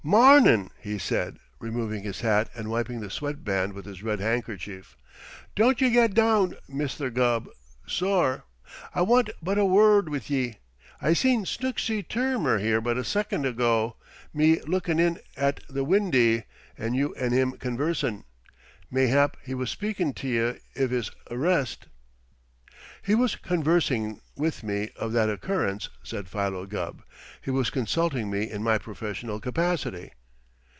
"Mawrnin'!" he said, removing his hat and wiping the sweat band with his red handkerchief. "Don't ye get down, Misther Gubb, sor. I want but a wurrd with ye. I seen Snooksy Tur rner here but a sicond ago, me lookin' in at the windy, an' you an' him conversin'. Mayhap he was speakin' t' ye iv his arrist?" "He was conversing with me of that occurrence," said Philo Gubb. "He was consulting me in my professional capacity."